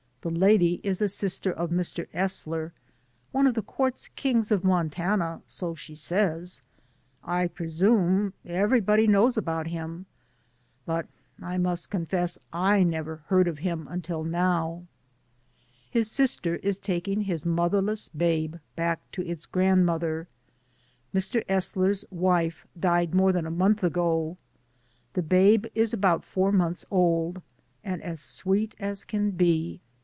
The lady is a sister of Mr. Esler, one of the quartz kings of Mon tana, so she says; I presume everybody knows about him, but I must confess I never heard of him until now. 252 DAYS ON THE ROAD. His sister is taking his motherless babe back to its grandmother. Mr. Esler's wife died more than a month ago. The babe is about four months old, and as sweet as can be.